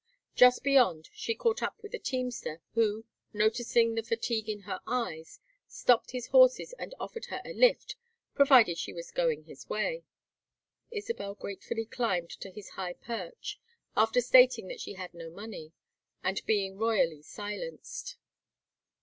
Just beyond, she caught up with a teamster, who, noticing the fatigue in her eyes, stopped his horses and offered her a "lift," provided she was "going his way." Isabel gratefully climbed to his high perch, after stating that she had no money, and being royally silenced.